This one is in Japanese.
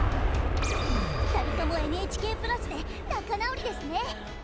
２人ともＮＨＫプラスで仲直りですね。